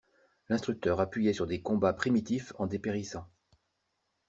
L'instructeur appuyait sur des combats primitifs en dépérissant.